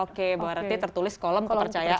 oke berarti tertulis kolom kepercayaan